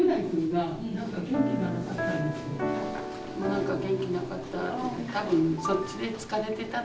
何か元気なかった。